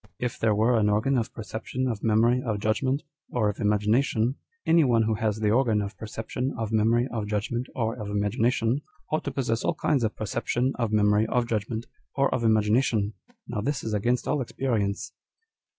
If there were an organ of perception, of memory, of judgment, or of imagination, any one who has the organ of perception, of memory, of judgment, or of imagination, ought to possess all kinds of perception, of memory, of judgment, or of imagination. Now this is against all experience."